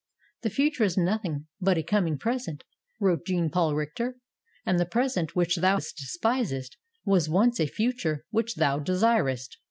"The future is nothing but a coming present," wrote Jean Paul Richter, "and the present which thou despisest was once a future which thou desiredst."